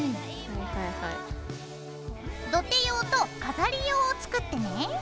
土手用と飾り用を作ってね。